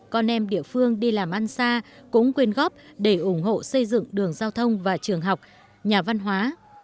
con em địa phương đi làm ăn xa cũng quyên góp để ủng hộ xây dựng đường giao thông và trường học nhà văn hóa